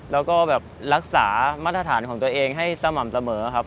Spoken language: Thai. แล้วก็แบบรักษามาตรฐานของตัวเองให้สม่ำเสมอครับ